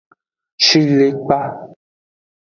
Shilekpa.